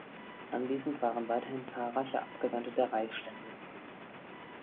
Anwesend waren weiterhin zahlreiche Abgesandte der Reichsstände.